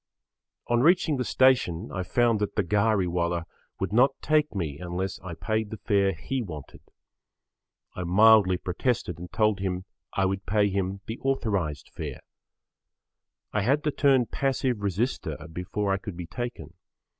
On reaching the station I found that the ghari wala would not take me unless I paid the fare he wanted. I mildly protested and told him I would[Pg 5] pay him the authorised fare. I had to turn passive resister before I could be taken.